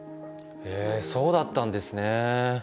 へえそうだったんですね。